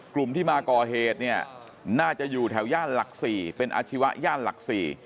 กลุ่มที่มาก่อเหตุเนี่ยน่าจะอยู่แถวย่านหลัก๔เป็นอาชีวะย่านหลัก๔